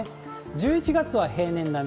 １１月は平年並み。